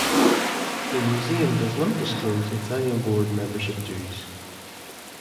The museum does not disclose its annual board membership dues.